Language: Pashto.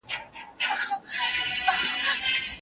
په سپینه ورځ غلو زخمي کړی تښتولی چنار